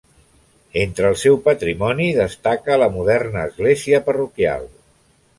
Entre el seu patrimoni destaca la moderna església parroquial.